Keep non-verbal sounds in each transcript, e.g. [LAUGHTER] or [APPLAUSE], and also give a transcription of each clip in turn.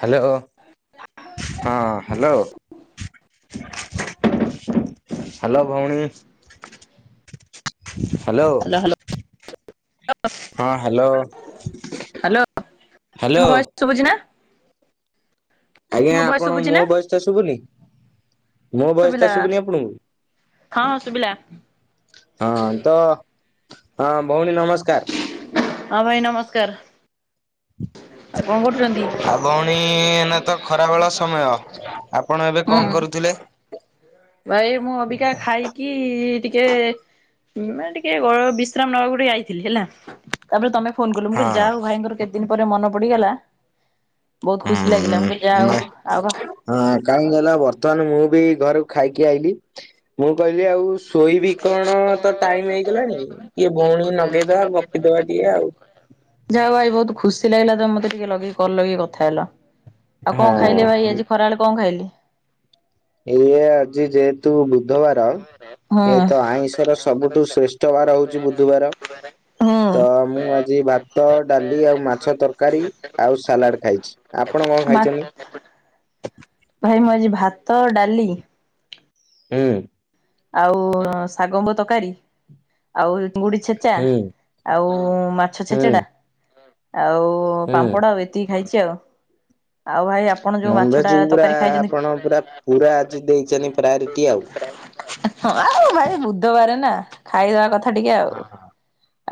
Hello. ହଁ hello! Hello ଭଉଣୀ! Hello. Hello hello ହଁ ହାଲୋ ହାଲୋ। ଶୁବୁଚି ନା? ଆଜ୍ଞା ମୋ ଭଏସ ଆପଣ ଶୁଭୁଛି ମୋ ନା ଭୟସ ଟା ଶୁଭୁନି? ମୋ ଭୟସ ଟା ଶୁଭିଲା ଶୁଭୁନି ଆପଣଙ୍କୁ? ହଁ ଶୁଭିଲା ହଁ ତ ହଁ ଭଉଣୀ ନମସ୍କାର। ହଁ ଭାଇ ନମସ୍କାର। କଣ କରୁଚନ୍ତି? ଆ ଭଉଣୀ ଏନା ତ ଖରାବେଳ ସମୟ ଆପଣ ଏବେ ହୁଁ କଣ କରୁଥିଲେ? ଭାଇ ମୁଁ ଅବିକା ଖାଇକି ଟିକେ ମୁଁ ଟିକେ ଗ ବିଶ୍ରାମ ନେବାକୁ ଟିକେ ଆଇଥିଲି ହେଲା। ତାପରେ ତମେ ଫୋନ କଲ। ମୁଁ କହିଲି ହଁ ଯାହାହଉ ଭାଇଙ୍କର କେତେ ଦିନ ପରେ ମନେ ପଡିଗଲା। ବୋହୁତ ଖୁସି ଲାଗିଲା। ମୁଁ କହିଲି ହୁଁ ନା ଯାହଉ ଆୱା ହଁ କାହିଁକି ଗଲା ବର୍ତ୍ତମାନ ମୁଁ ବି ଘରକୁ ଖାଇକି ଆଇଲିି ମୁଁ କହିଲି ଆଉ ଶୋଇବି କଣ ତ ଟାଇମ ହେଇଗଲାଣି ଟିକେ ଭଉଣୀକି ନଗେଇଦବା ଗପିଦବା ଟିକେ ଆଉ। ଯାହାହଉ ଭାଇ ବୋହୁତ ଖୁସି ଲାଗିଲା ତ ମତେ ଟିକେ ଲଗେଇ କଲ ଲଗେଇ କଥା ହେଲ। ଆଉ କଣ ଖାଇଲେ ହଁ ଭାଇ ଆଜି ଖରାବେଳେ କଣ ଖାଇଲେ? ଏଇଏ ଆଜି ଯେହେତୁ ବୁଧବାର ହୁଁ ଏ ତ ଆଇଁଷର ସବୁଠୁ ଶ୍ରେଷ୍ଠ ବାର ହଉଛି ବୁଧୁବାର। ତ ହୁଁ ମୁଁ ଆଜି ଭାତ ଡାଲି ଆଉ ମାଛ ତରକାରୀ ଆଉ ସାଲାଟ ଖାଇଛି। ଆପଣ କଣ ମା ଖାଇଛନ୍ତି? ଭାଇ ମୁଁ ଆଜି ଭାତ ଡାଲି ହୁଁ। ଆଉ ଶାଗମୁଗ ତରକାରୀ ଆଉ ଚିଙ୍ଗୁଡି ଛେଚା ହୁଁ ଆଉ ମାଛ ହୁଁ ଛେଚେଡା ଆଉ ଓ ହୁଁ ପାମ୍ପଡା ଆଉ ଏତିକି ଖାଇଛି ଆଉ। ଆଉ ଭାଇ ଆପଣ ଯୋଉ ମାଛ ନନଭେଜ ଟା ପୁରା ତରକାରୀ ଖାଇଛନ୍ତି ଆପଣ ପୁରା ପୁରା ଆଜି ଦେଇଚନ୍ତି ପ୍ରାୟୋରିଟି ଆଉ। ହଁ ଆଉ ଭାଇ ବୁଧବାର ନା ଖାଇବା କଥା ଟିକେ ଆଉ। ହଁ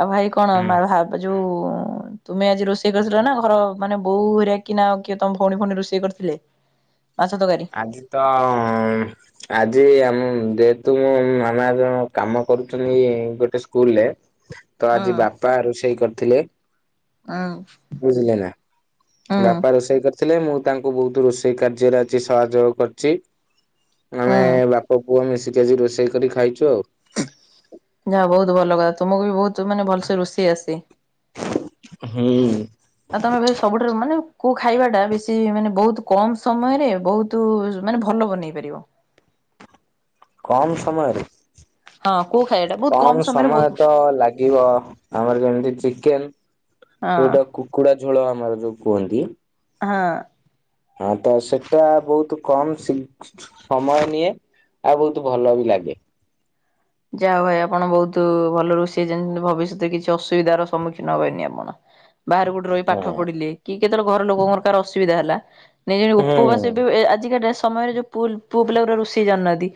ଆଉ ଭାଇ କଣ ହୁଁ। ମା ଭା ଯୋଉ ତୁମେ ଆଜି ରୋଷେଇ କରିଥିଲ ନା ଘର ମାନେ ବୋଉ ହରିଆ କିନା କିଏ ତମ ଭଉଣୀ ଫଉଣୀ ରୋଷେଇ କରିଥିଲେ? ମାଛ ତରକାରୀ। ଆଜି ତ ଆଜି ଆମ ଯେହେତୁ ମୋ ମାମା ଜଣକ କାମ କରୁଛନ୍ତି ଗୋଟେ ସ୍କୁଲ ରେ ତ ହୁଁ ଆଜି ବାପା ରୋଷେଇ କରିଥିଲେ। ଆଉ। ବୁଝିଲେ ନା? ବାପା ରୋଷେଇ କରି ଥିଲେ ମୁଁ ତାଙ୍କୁ ବୋହୁତ ରୋଷେଇ କାର୍ଯ୍ୟରେ ଆଜି ସହଯୋଗ କରିଚି। ହଁ। ମୋ ପୁଅ ମିଶିକି ଆଜି ରୋଷେଇ କରି ଖାଇଛୁ ଆଉ। ଯାହଉ ବହୁତ ଭଲ କଥା ତୁମକୁ ବି ବହୁତ ମାନେ ଭଲସେ ରୋଷେଇ ଆସେ। ହୁଁ ଆଉ ତମେ ଭାଇ ସବୁଠାରୁ ମାନେ କୋଉ ଖାଇବାଟା ବେଶୀ ମାନେ ବହୁତ କମ୍ ସମୟରେ ବହୁତ ତୁ ମାନେ ଭଲ ବନେଇ ପାରିବ? କମ୍ ସମୟରେ? ହଁ କୋଉ ଖାଇବାଟା? ବହୁତ କମ କମ୍ ସମୟରେ ସମୟ ବହୁତ ତ ଲାଗିବ ଆମର ଯେମିତି ଚିକେନ୍। ଯୋଉଟା ହଁ କୁକୁଡ଼ା ଝୋଳ ଆମର ଯୋଉ କୁହନ୍ତି? ହଁ ହଁ ତ ସେଟା ବହୁତ କମ୍ ଶୀ ସମୟ ନିଏ ଆଉ ବହୁତ ଭଲ ବି ଲାଗେ। ଯାହାହଉ ଭାଇ ଆପଣ ବହୁତ ଭଲ ରୋଷେଇ ଜାଣି ଭବିଷ୍ୟତରେ କିଛି ଅସୁବିଧାର ସମ୍ମୁଖୀନ ହବେନି ଆପଣ। ବାହାରେ କୋଉଟି ରହି ପାଠ ହଁ। ପଢିଲେ, କି କେତେବେଳେ ଘର ଲୋକଙ୍କର କାହାର ଅସୁବିଧା ହେଲା। ନିଜର ଉପବାସ ବି ହୁଁ ଏ ଆଜିକା ଡେ ସମୟରେ ଯୋଉ ପୁଲ୍ ପୁଅ ପିଲା ଗୁରା ରୋଷେଇ ଜାଣୁନାହାନ୍ତି,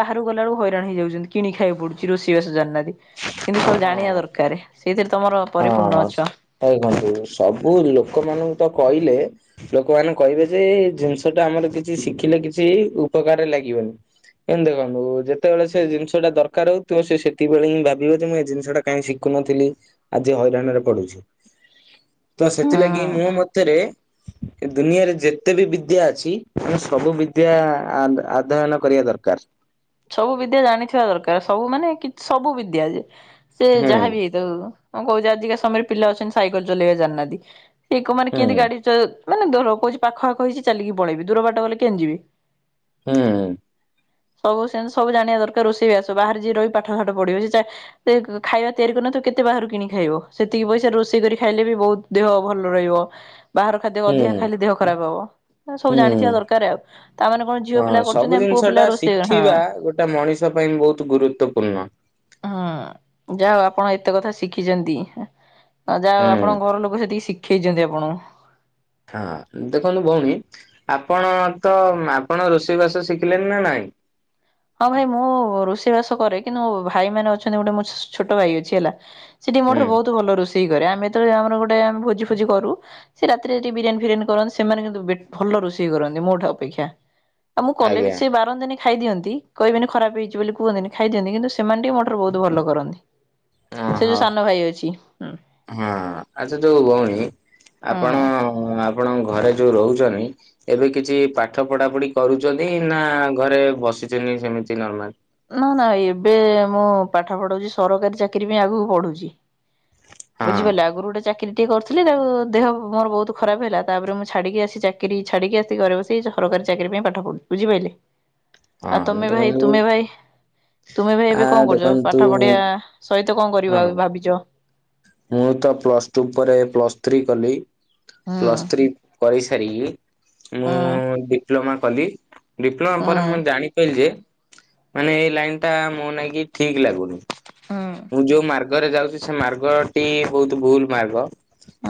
ବାହାରୁ ଗଲା ବେଳକୁ ହଇରାଣ ହେଇଯାଉଛନ୍ତି। କିଣି ଖାଇବାକୁ ପଡୁଛି ରୋଷେଇ ବାସ ଜାଣିନାହାନ୍ତି। କିନ୍ତୁ ସବୁ ଜାଣିବା ହଁ। ଦରକାର ସେଇଥିରେ ତମର ପରିପୂର୍ଣ୍ଣ ଅଛ। ହେଖନ୍ତୁ ସବୁ ଲୋକମାନଙ୍କୁ ତ କହିଲେ ଲୋକମାନେ କହିବେ ଯେ ଏ ଜିନିଷଟା ଆମର କିଛି ଶିଖିଲେ କିଛି ଉପକାରରେ ଲାଗିବନି। ଏମତି ଦେଖନ୍ତୁ ଯେତେବେଳେ ସେ ଜିନିଷଟା ଦରକାର ହଉଥିବ ସେ ସେତିକି ବେଳେ ହିଁ ଭାବିବ ଯେ ମୁଁ ଏ ଜିନିଷଟା କାହିଁ ଶିଖୁନଥିଲି ଆଜି ହଇରାଣରେ ପଡୁଛି। ତ ସେଥିଲାଗି ହୁଁ। ମୋ ମତରେ ଏ ଦୁନିଆରେ ଯେତେ ବି ବିଦ୍ୟା ଅଛି ଆମେ ସବୁ ବିଦ୍ୟା ଆଦ୍ ଆଦୟନ କରିବା ଦରକାର। ସବୁ ବିଦ୍ୟା ଜାଣିଥିବା ଦରକାର ସବୁ ମାନେ କିଛ୍ ସବୁ ବିଦ୍ୟା ଯେ, ସେ ହୁଁ ଯାହାବି ହେଇଥାଉ। ମୁଁ କହୁଛି ଆଜିକା ସମୟରେ ପିଲା ଅଛନ୍ତି ସାଇକଲ ଚଲେଇବା ଜାଣିନାହାନ୍ତି, ସେ କ ମାନେ କେମିତି ହୁଁ ଗାଡ଼ି ଚ ମାନେ ଧର କହୁଛି ପାଖ ଆଖ ହେଇଚି ଚାଲିକି ପଳେଇବି ଦୂର ବାଟ ଗଲେ କେମିତି ଯିବି? ହୁଁ ସବୁ ସେମିତି ସବୁ ଜାଣିବା ଦରକାର ରୋଷେଇ ବାସ, ବାହାରେ ଯିଏ ରହି ପାଠ ସାଠ ପଢ଼ିବେ ସେ ଚା ସେ ଖାଇବା ତିଆରି କରିନଥିବ କେତେ ବାହାରୁ କିଣି ଖାଇବ, ସେତିକି ପଇସା ରୋଷେଇ କରି ଖାଇଲେ ବି ବହୁତ। ଦେହ ଭଲ ରହିବ, ବାହାର ଖାଦ୍ୟ ହୁଁ ଅଧିକା ଖାଇଲେ ଦେହ ଖରାପ ହବ। ସବୁ ଜାଣିଥିବା ହୁଁ। ଦରକାର ଆଉ, ତାମାନେ କଣ ଝିଅ ପିଲା କରୁଛନ୍ତି ଆମେ ପୁଅ ପିଲା ରୋଷ ଖିବା ଗୋଟେ ମଣିଷ ପାଇଁ ବହୁତ ଗୁରୁତ୍ୱପୂର୍ଣ୍ଣ। ହୁଁ ଯାହଉ ଆପଣ ଏତେ କଥା ଶିଖିଛନ୍ତି। ଆଉ ଯାହଉ ଆପଣଙ୍କ ହୁଁ ଘରଲୋକ ସେତିକି ଶିଖେଇଛନ୍ତି ଆପଣଙ୍କୁ। ହଁ ଦେଖନ୍ତୁ ଭଉଣୀ ଆପଣ ତ ଆପଣ ରୋଷେଇ ବାସ ଶିଖିଲେନି ନା ନାଇଁ? ହଁ ଭାଇ ମୁଁ ରୋଷେଇ ବାସ କରେ କିନ୍ତୁ ଭାଇ ମାନେ ଅଛନ୍ତି ଗୋଟେ ମୋ ଛୋଟ ଭାଇ ଅଛି ହେଲା। ସେଠି ମୋ ହୁଁ ଠାରୁ ବହୁତ ଭଲ ରୋଷେଇ କରେ ଆମେ ତ ଆମର ଗୋଟେ ଆମେ ଭୋଜି ଫୋଜି କରୁ। ସେ ରାତିରେ ଯତି ବିରିୟାନି ଫିରିୟାନୀ କରନ୍ତି ସେମାନେ କିନ୍ତୁ ବେଟ୍ ଭଲ ରୋଷେଇ କରନ୍ତି ମୋଠ୍ ଅପେକ୍ଷା। ଆଉ ମୁଁ କଲେବି ଆଜ୍ଞା ସେ ବାରନ୍ତିନି ଖାଇଦିଅନ୍ତି। କହିବେନି ଖରା ହେଇଛି ବୋଲି କୁହନ୍ତିନି ଖାଇ ଦିଅନ୍ତି କିନ୍ତୁ ସେମାନେ ଟିକେ ମୋଠାରୁ ବହୁତ ଭଲ କରନ୍ତି। ସେ ଅଁହ, ଯୋଉ ସାନ ଭାଇ ଅଛି ହୁଁ ହଁ ଆଚ୍ଛା ଯୋଉ ଭଉଣୀ ହୁଁ। ଆପଣ ହୁଁ ଆପଣଙ୍କ ଘରେ ଯୋଉ ରହୁଛନ୍ତି। ଏବେ କିଛି ପାଠ ପଢ଼ାପଢି କରୁଛନ୍ତି ନା ଘରେ ବସିଛନ୍ତି ସେମିତି ନର୍ମାଲ? ନା ନା ଏବେ ମୁଁ ପାଠ ପଢଉଛି ସରକାରୀ ଚାକିରି ପାଇଁ ଆଗକୁ ପଢୁଛି। ହଁ ବୁଝିପାରିଲେ ଆଗରୁ ଗୋଟେ ଚାକିରି କିରି କରୁଥିଲି ତାକୁ ଦେହ ମୋର ବହୁତ ଖରାପ ହେଲା ତାପରେ ମୁଁ ଛାଡ଼ିକି ଆସି ଚାକିରି ଛାଡ଼ିକି ଆସି ଘରେ ବସିଛି। ସେଇ ସରକାରୀ ଚାକିରି ପାଇଁ ପାଠପଢୁ ବୁଝିପାରିଲେ? [INAUDIBLE] ଆଉ ତମେ ଭାଇ ଦେଖନ୍ତୁ ତୁମେ ଭାଇ ତୁମେ ଭାଇ ଆ ଏବେ କଣ କରୁଛ? ଦେଖନ୍ତୁ ପାଠ ପଢିଆ ସହିତ କଣ ହଁ କରିବ ଏବେ ଭାବିଛ? ମୁଁ ତ ପ୍ଲସ ଟୁ ପରେ ପ୍ଲସ୍ ଥ୍ରୀ କଲି, ହୁଁ ପ୍ଲସ୍ ଥ୍ରୀ। କରିସାରିକି ହୁଁ ମୁଁ ଡିପ୍ଲୋମା କଲି। ଡିପ୍ଲୋମା ହୁଁ ପରେ ମୁଁ ଜାଣିପାରିଲି ଯେ ମାନେ ଏଇ ଲାଇନ ଟା ମୋ ନାଗି ଠିକ ଲାଗୁନି। ହୁଁ। ମୁଁ ଯୋଉ ମାର୍ଗରେ ଯାଉଛି ସେ ମାର୍ଗଟି ବହୁତ ଭୁଲ ମାର୍ଗ।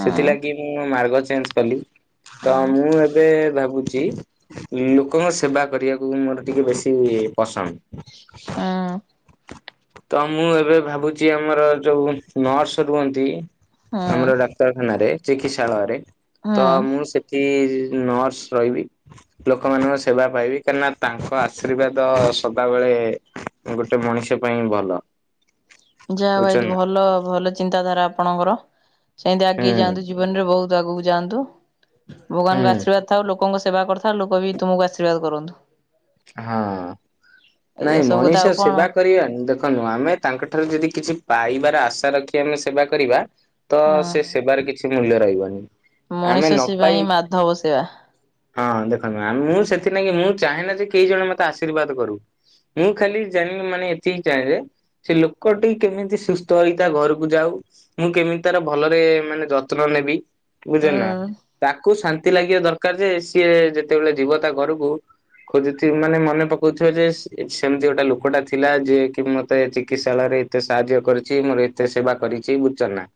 ସେଥିଲାଗି ମୁଁ ମାର୍ଗ ଚେଞ୍ଜ କଲି ତ ହୁଁ ମୁଁ ଏବେ ଭାବୁଛି। ଉଁ ଲୋକଙ୍କ ସେବା କରିବାକୁ ମୋର ଟିକେ ବେଶୀ ପସନ୍ଦ। ତ ମୁଁ ଏବେ ଭାବୁଛି ଆମର ଯୋଉ ନର୍ସ ରୁହନ୍ତି। ହୁଁ ଆମର ଡାକ୍ତରଖାନାରେ ଚିକିତ୍ସାଳୟରେ ହୁଁ ତ ମୁଁ ସେ କି ନର୍ସ ରହିବି। ଲୋକମାନଙ୍କ ସେବା ପାଇବି, କାହିଁକିନା ତାଙ୍କ ଆଶୀର୍ବାଦ ସଦାବେଳେ ଗୋଟେ ମଣିଷ ପାଇଁ ଭଲ। ଯାହା ଭାଇ ବୁଝୁଛନ୍ତି ନା ଭଲ ଭଲ ଚିନ୍ତାଧାରା ଆପଣଙ୍କର, ସେମିତି ଆଗେଇ ହୁଁ ଯାଆନ୍ତୁ ଜୀବନ ରେ ବହୁତ୍। ଆଗକୁ ଯାଆନ୍ତୁ, ହୁଁ ଭଗବାନଙ୍କ ଆଶୀର୍ବାଦ ଥାଉ ଲୋକଙ୍କ ସେବା କରିଥାଉ ଲୋକ ବି ତୁମକୁ ଆଶୀର୍ବାଦ କରନ୍ତୁ। ହଁ ଏଇଆ ନାଇଁ ସବୁ କଥା ମଣିଷ ଆଉ କଣ ସେବା କରିବାନି ଦେଖନ୍ତୁ ନୁହଁ ଆମେ ତାଙ୍କଠାରୁ ଯଦି କିଛି ପାଇବାର ଆଶା ରଖି ଆମେ ସେବା କରିବା ତ ସେ ହଁ ସେବାର କିଛି ମୂଲ୍ୟ ରହିବନି, ମଣିଷ ଆମେ ନ ସେବା ହିଁ ପାଇ। ମାଧବ ସେବା। ହଁ ଦେଖନ୍ତୁ ମ୍ୟାମ୍ ମୁଁ ସେଥିଲାଗି ମୁଁ ଚାହେଁ ନା ଯେ କେଇ ଜଣ ମତେ ଆଶୀର୍ବାଦ କରୁ। ମୁଁ ଖାଲି ଜାଣି ମାନେ ଏତିକି ଚାହେଁ ଯେ। ସେ ଲୋକ ଟି କେମିତି ସୁସ୍ଥ ହେଇ ତା ଘରକୁ ଯାଉ। ମୁଁ କେମିତି ତାର ଭଲରେ ମାନେ ଯତ୍ନ ନେବି। ଉଁ ବୁଝିହେଲାନା? ତାକୁ ଶାନ୍ତି ଲାଗିବା ଦରକାର ଯେ ସିଏ ଯେତେବେଳେ ଯିବ ତା ଘରକୁ। ଖୋଜୁଥୀ ମାନେ ମନେ ପକଉଥିବ ଯେ ସେମିତି ଗୋଟେ ଲୋକଟା ଥିଲା ଯିଏ କି ମତେ ଚିକିତ୍ସାଳୟରେ। ଏତେ ସାହାଯ୍ୟ କରିଛି ମୋର ଏତେ ସେବା କରିଛି। ବୁଝୁଛ ନା?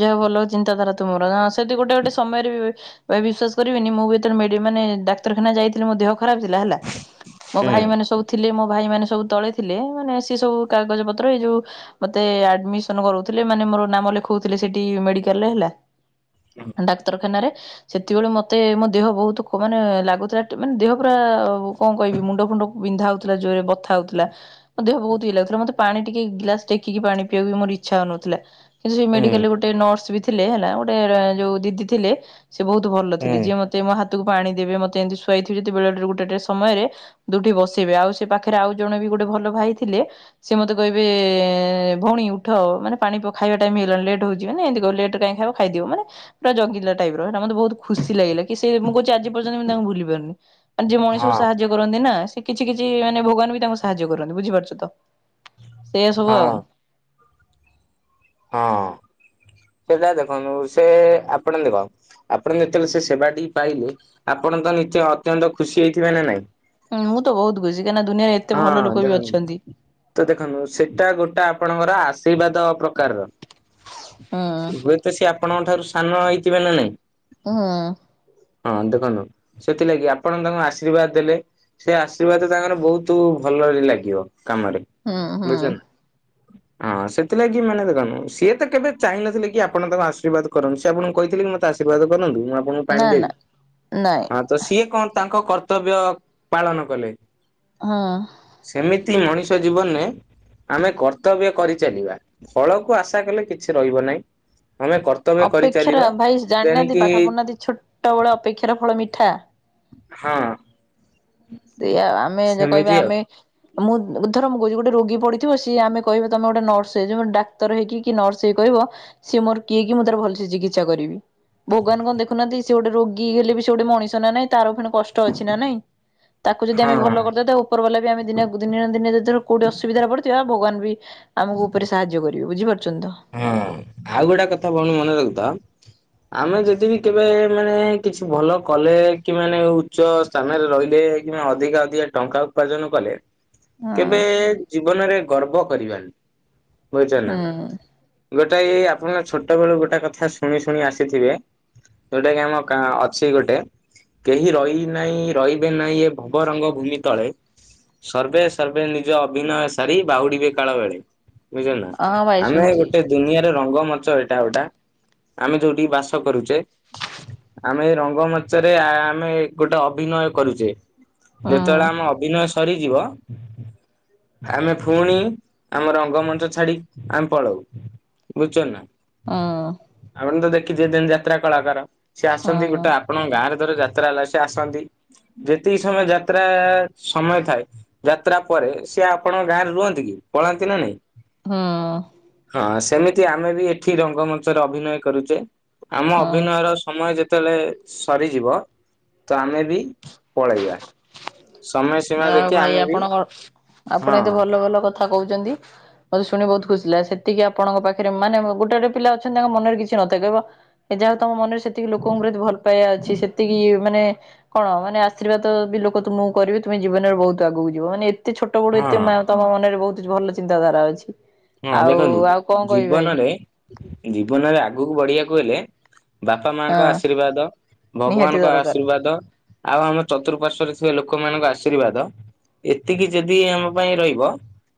ଯାହାହଉ ଭଲ ଚିନ୍ତାଧାରା ତୁମର ସେଠି ଗୋଟେ ଗୋଟେ ସମୟରେ ବି। ଭାଇ ବିଶ୍ୱାସ କରିବେନି ମୁଁ ବି ଯେତେବେଳେ ମେଡି ମାନେ ଡକ୍ତରଖାନା ଯାଇଥିଲି ଦେହ। ଖରାପ ଥିଲା ହେଲା ମୋ ହୁଁ ଭାଇ ମାନ ସବୁ। ଥିଲେ ମୋ ଭାଇମାନେ ସବୁ ତଳେ ଥିଲେ ମାନେ ସେ ସବୁ କାଗଜପତ୍ର ଏ ଯେଉଁ। ମତେ ଆଡମିସନ କରୁଥିଲେ ମାନେ ମୋର ନାମ। କହୁଥିଲେ ସେଠି ମେଡିକାଲରେ ହେଲା ଡାକ୍ତରଖାନରେ। ସେତିକିବେଳେ ମତେ ମୋ ଦେହ ବହୁତ ଖ ମାନେ ଲାଗୁଥିଲା ମାନେ ଦେହ ପୁରା କଣ କହିବି ମୁଣ୍ଡ ଫୁଣ୍ଡ। ବିନ୍ଧା ହଉଥିଲା ଜୋରରେ ବଥା ହଉଥିଲା। ମୋ ଦେହ ବହୁତ ଇଏ ଲାଗୁଥିଲା ମତେ ପାଣି ଟିକେ ଗିଲାସ୍ ଟେକିକି ପାଣି ପିଇବାକୁ ବି ମୋର ଇଚ୍ଛା ହଉନଥିଲା। କିନ୍ତୁ ସେ ହୁଁ ମେଡିକାଲ ରେ ଗୋଟେ ନର୍ସ ବି ଥିଲେ ହେଲା ଗୋଟେ ଯୋଉ ଦିଦି ଥିଲେ ସେ ବହୁତ ଭଲ ହୁଁ ଥିଲେ ଯିଏ ମତେ। ମତେ ମୋ ହାତକୁ ପାଣି ଦେବେ ମତେ ଏମିତି ଶୁଆଇଥିବେ [UNINTELLIGIBLE] ବେଳେରେ ଗୋଟେଗୋଟେ ସମୟରେ। ଦୁଠି ବସିବେ ଆଉ ସେ ପାଖରେ ଆଉ ଜଣେ ବି ଗୋଟେ ଭଲ ଭାଇ ଥିଲେ। ସେ ମତେ କହିବେ ଭଉଣୀ ଉଠ ମାନେ ପାଣି ପକା ଖାଇବା ଟାଇମ୍ ହେଇଗଲାଣି ଲେଟ୍ ହଉଚି ଏମିତି କହିବ ଲେଟ୍ ରେ କାଇଁ ଖାଇବ ଖାଇଦିଅ ମାନେ। ପୁରା ଜଙ୍ଗିଲା ଟାଇପ ରଇଟା ମତେ ବହୁତ ଖୁସି ଲାଗିଲା କି ସେ ମୁଁ କହୁଛି ଆଜି ପର୍ଯ୍ୟନ୍ତ ତାଙ୍କୁ ଭୁଲି ପାରୁନି। ମାନେ ଯିଏ ମଣିଷକୁ ହଁ ସାହାଯ୍ୟ କରନ୍ତି ନା ସେ କିଛି କିଛି ମାନେ ଭଗବାନ ବି ତାଙ୍କୁ ସାହାଯ୍ୟ କରନ୍ତି ବୁଝିପାରୁଛ ତ। ଏଇଆ ସବୁ ଆଉ। ହଁ ହଁ ସେଟା ଦେଖନ୍ତୁ ସେ ଆପଣନ୍ତି କଣ ଆପଣ ଯେତେବେଳେ ସେ ସେବାଟି ପାଇଲେ ଆପଣ ତ ନି ଅତ୍ୟନ୍ତ ଖୁସି ହେଇଥିବେ ନା ନାଇଁ। ହୁଁ ମୁଁ ତ ବହୁତ ଖୁସି କାହିଁକି ନା ଦୁିଆରେ ଏତେ ହଁ ଭଲ ଲୋକ ବି ଦେଖନ୍ତୁ ଅଛନ୍ତି। ତ ଦେଖନ୍ତୁ ସେଟା ଗୋଟେ ଆପଣଙ୍କର ଆଶୀର୍ବାଦ ପ୍ରକାରର। ହୁଁ ସେ ହୁଏତ ସିଏ ଆପଣଙ୍କ ଠାରୁ ସାନ ହେଇଥିବେ ନା ନାଇଁ। ହୁଁ। ହଁ ଦେଖନ୍ତୁ ସେଥିଲାଗି ଆପଣ ତାଙ୍କୁ ଆଶୀର୍ବାଦ ଦେଲେ। ସେ ଆଶୀର୍ବାଦ ତାଙ୍କର ବହୁତ ଭଲରେ ଲାଗିବ କାମରେ ହୁଁ ହୁଁ ବୁଝୁଛନ୍ତି ନା। [UNINTELLIGIBLE] ହଁ ସେଥିଲାଗି ମାନେ ଦେଖନ୍ତୁ ସିଏ ତ କେବେ ଚାହିଁନଥିଲେ କି ଆପଣ ତାକୁ ଆଶୀର୍ବାଦ କରନ୍ତୁ ସେ ଆପଣଙ୍କୁ କହିଥିଲେ କି ମୋତେ ଆଶର୍ବାଦ କରନ୍ତୁ ମୁଁ ଆପ୍ ଆପଣଙ୍କୁ ପାଣି ନା ଦେବି ନା ନାଇଁ ହଁ ତ ସିଏ କଣ ତାଙ୍କ କର୍ତ୍ତବ୍ୟ ପାଳନ କଲେ। ହୁଁ। ସେମିତି ମଣିଷ ଜୀବନରେ ଆମେ କର୍ତ୍ତବ୍ୟ କରିଚାଲିବା ଫଳକୁ ଆଶା କଲେ କିଛି ରହିବ ନାହିଁ ଆମେ କର୍ ଅପେକ୍ଷାର ଭାଇ ଜାଣିନାହାନ୍ତି ପାଠ ପଢ଼ୁନାହାନ୍ତି ଛୋଟବେଳେ ଅପେକ୍ଷାର ଫଳ ମିଠା। ହଁ। ସେଇଆ ଆଉ ଆମେ ଯଉ କହିବା ସେମିତି ଆଉ ଆମେ ମୁଁ ଧର ମୁ କହୁଛି ଗୋଟେ ରୋଗୀ ପଡିଥିବିଏ ସିଏ ଆମେ କିହିବା ତମେ ଗୋଟେ ନର୍ସ ହାଈଜା ଡା ଡାକ୍ତର ହେଇକି କି ନର୍ସ ହେଇ କରିବ ସିଏ ମୋର କିଏ କି ମୁଁ ତାର ଭଲସେ ଚିକିତ୍ସା କରିବି। ଭଗବାନ କଣ ଦେଖୁନାହାନ୍ତି ସେ ଗୋଟେ ରୋଗୀ ହେଲେ ବି ସେ ଗୋଟେ ମଣିଷ ନା ନାଇଁ ତାର ଫୁଣି କଷ୍ଟ ଅଛି ନା ନାଇଁ। ତାକୁ ଯଦି ଆମେ ହଁ ହଁ। ଭଲ କରିଥାଉ ତା ଉପର ବାଲା ବି ଆେ ଦିନେ ଦିନ ଦିନେ କୋଉଠି ଅସୁବିଧାରେ ପଡିଥିବା ଭଗବାନ ବି ଆମକୁ ଉପରେ ସାହାଯ୍ୟ କରିବେ ବୁଝିପାରୁଛନ୍ତି ତ। ହଁ ଆଉ ଗୋଟେ କଥା ଭଉଣ ମନେ ରଖିଥା। ଆମେ ଯଦି ବି କେବେ ମାନେ କିଛି ଭଲ କଲେ କି ମାନେ ଉଚ୍ଚ ସ୍ଥାନାରେ ରହିଲେ କିମ୍ବା ଅଧିକା ଅଧିକା ଟଙ୍କା ଉପାର୍ଜନ କଲେ ହୁଁ କେବେ ଜୀବନରେ ଗର୍ବ କରିବାନି ବୁଝଛ ନା। ହୁଁ ଗୋଟେ ଏଇ ଆପଣ ଛୋଟ ବେଳୁ ଗୋଟେ କଥା ଶୁଣି ଶୁଣି ଆସିଥିବେ ଯୋଉଟା କି ଆମ ଅଛି ଗୋଟେ କେହି ରହି ନାହିଁ ରହିବେ ନାହିଁ ଏ ଭବରଙ୍ଗ ଭୂମି ତଳେ ସର୍ଭେ ସର୍ଭେ ନିଜ ଅଭିନୟ ସାରି ବାହୁଡିବେ କାଳ ବେଳେ ବୁଝିଲ ନା। ହଁ ଭାଇ ଶୁଣିଛି। ଦୁନିଆର ରଙ୍ଗ ମଚ ଏଇଟା ଗୋଟା ଆମେ ଯୋଉଠି ବାସ କରୁଛେ। ଆମେ ରଙ୍ଗମଞ୍ଚ ରେ ଆମେ ଗୋଟେ ଅଭିନୟ କରୁଛେ। ଯେତେବେଳେ ହଁ ଆମ ଅଭିନୟ ସ ସରିଯିବ ଆମେ ପୁଣି ଆମ ରଙ୍ଗମଞ୍ଚ ଛାଡ଼ି ଆମେ ପଳଉ ବୁଝୁଛନ୍ତୀ ନା। ହଁ। ଆପଣ ତ ଦେଖିଥିବେ ଯେମିତି ଯାତ୍ରା କଳାକାର ସିଏ ଆସନ୍ତି ହଁ ଗୋଟେ ଆପଣଙ୍କ ଗାଁରେ ଧର ଯାତ୍ରା ହେଲା ସେ ଆସନ୍ତି ଯେତିକି ସମୟ ଯାତ୍ରା ସମୟ ଥାଏ ଯାତ୍ରା ପରେ ସିଏ ଆପଣଙ୍କ ଗାଁ ରେ ରୁହନ୍ତି କି ପଳାନ୍ତି ନା ନାଇଁ। ହୁଁ। ହଁ ସେମିତି ଆମେ ବି ଏଠି ରଙ୍ଗମଞ୍ଚରେ ଅଭିନୟ କରୁଛେ ଆମ ହଁ ଅଭିନୟର ସମୟ ଯେତେବେଲେ ସରିଯିବ ତ ଆମେ ବି ପଳେଇବା ସମୟ ସୀମା ଆଉ ଦେଖି ଭାଇ ଆମେ ବି ଆପଣ ହଁ ଆପଣ ଏତେ ଭଲ ଭଲ କ କଥା କହୁଚନ୍ତି ମତେ ଶୁଣି ବହୁତ ଖୁସି ଲାଗେ ସେତିକି ଆପଣଙ୍କ ପାଖରେ ମାନେ ଗୋଟେ ଗୋଟେ ପିଲା ଅଛନ୍ତି ତାଙ୍କ ମନରେ କିଛି ନଥାଏ କେବ ସେ ଯାହା ହଉ ତମ ମନରେ ସେତିକି ଲୋକଙ୍କ ପ୍ରତି ଭଲ ପାଇବା ଅଛି ସେତିକି ଇଏ ମାନେ କଣ ମାନେ ଆ ଆଶୀର୍ବାଦ ବି ଲୋକ ତୁମକୁ କରିବେ ତୁମେ ଜୀବନରେ ବହୁତ ଆଗକୁ ଯିବ ମାନେ ଏତେ ଛୋଟ ବଡ଼ୁ ହଁ ଏତେ ମା ତମ ମନରେ ବହୁତୁ ଭଲ ଚିନ୍ତାଧାରା ଅଛି ହଁ ଆଉ ଦେଖନ୍ତୁ ଆଉ କଁ କହିବି ଭାଇ ଜୀବନରେ ଜୀବନରେ ଆଗକୁ ବଢିବାକୁ ହେଲେ ବାପା ମାଙ୍କ ହଁ ଆଶୀର୍ବାଦ ନିହାତି ଭଗବାନଙ୍କ ଦରକାର ଆଶୀର୍ବାଦ ଆଉ ଆମ ଚତୁଃପାର୍ଶ୍ଵରେ ଥିବା ଲୋକମାନଙ୍କ ଆଶୀର୍ବାଦ ଏତିକି ଯେଦି ଆମ ପାଇଁ ରହିବ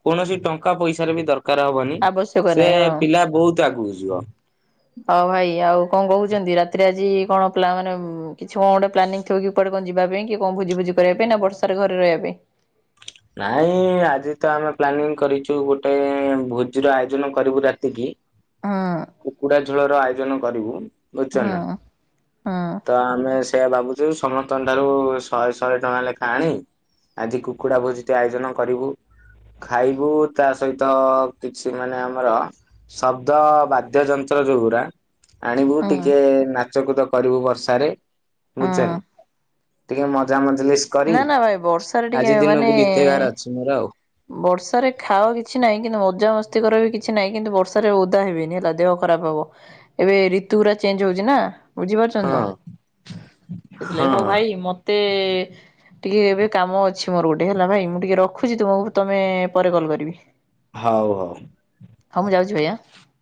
କୌଣସି ଟଙ୍କା ପଇସାରେ ବି ଦରକାର କାର ହବନି ଆବଶ୍ୟକ ସେ ନାହିଁ ହଁ। ପିଲା ବହୁତ୍ ଆଗକୁ ଯିବ। ହଉ ଭାଇ ଆଉ କଁ କହୁଛନ୍ତି ରାତିରେ ଆଜି କଣ ପିଲାମାନେ କିଛି କଁ ଗୋଟେ ପ୍ଲାନିଂ ଥିବ କି କୁଆଡେ କଁ ଯିବା ପାଇଁ କି କଁ ଭୋଜି ଭୋଜି କରିବା ପାଇଁ ନା ବର୍ଷାରେ ଘରେ ରହିବା ପାଇଁ। ନାଇଁ ଆଜି ତ ଆମେ ପ୍ଲାନିଂ କରିଚୁ ଗୋଟେ ଭୋଜିର ଆୟୋଜନ କରିବୁ ରାତିକି। ହୁଁ କୁକୁଡ଼ା ଝୋଳ ର ଆୟୋଜନ କରିବୁ। ବୁଝୁଛ ହୁଁ ନା। ହୁଁ। ତ ଆମେ ସେଇଆ ଭାବୁଚୁ, ସମସ୍ତଙ୍କ ଠାରୁ ଶହେ ଶହେ ଟଙ୍କା ଲେଖା ଆଣି ଆଜି କୁକୁଡ଼ା ଭୋଜିିଟେ ଆୟୋଜନ କରିବୁ। ଖାଇବୁ ତା ସହିତ, କିଛି ମାନେ ଆମର ଶବ୍ଦ ବାଦ୍ୟ ଯନ୍ତ୍ର ଯଉଗୁରା ଆଣିବୁ ହୁଁ ଟିକେ ନାଚକୁଦ କରିବୁ, ବର୍ଷାରେ ହୁଁ ବୁଝଚନ୍ତି? ଟିକେ ମଜା ମଜଲିସ୍ କରି ନା ନା ଭାଇ ବର୍ଷାରେ ଟିକେ ଆଜି ମାନେ ଦିନକୁ ବିତେଇବାର ଅଛି ମୋର ଆଉ ବର୍ଷାରେ ଖାଅ କିଛି ନାହିଁ, କିନ୍ତୁ ମଜାମସ୍ତି କର ବି କିଛି ନାହିଁ, କିନ୍ତୁ ବର୍ଷାରେ ଓଦା ହେବିନି ହେଲା, ଦେହ ଖରାପ ହବ। ଏବେ ରିତୁ ଗୁରା ଚେଞ୍ଜ ହଉଚି ନା। ବୁଝିପାରୁଚନ୍ତି ହଁ ତ? ସେଥିଲାଗି ହଁ ହଉ ଭାଇ ମତେ ଟିକେ ଏବେ କାମ ଅଛି ମୋର ଗୋଟେ ହେଲା ଭାଇ ମୁଁ ଟିକେ ରଖୁଚି, ତୁମକୁ ତମେ ପରେ କଲ୍ କରିବି। ହଉ ହଉ। ହଁ ମୁଁ ଯାଉଛି ଭାଇ, ଆଁ।